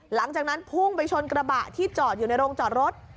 หลังจากนั้นพุ่งไปชนกระบะที่จอดอยู่ในโรงจอดรถ